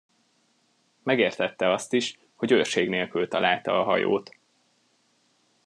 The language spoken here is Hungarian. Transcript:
Megértette azt is, hogy őrség nélkül találta a hajót.